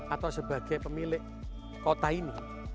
atau sebagai pemilik kota ini